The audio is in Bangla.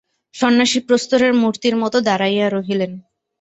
সন্ন্যাসী প্রস্তরের মূর্তির মতো দাঁড়াইয়া রহিলেন।